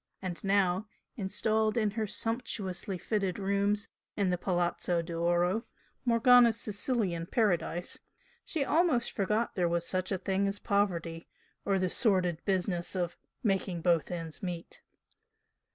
And now, installed in her own sumptuously fitted rooms in the Palazzo d'Oro, Morgana's Sicilian paradise, she almost forgot there was such a thing as poverty, or the sordid business of "making both ends meet."